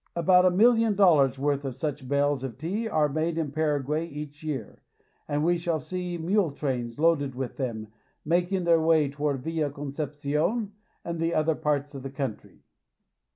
About a million dollars* worth of such bales of tea are made in Paraguay each year, and we shall see mule trains loaded with them making their way toward Villa Concepcion and the other ports of the country.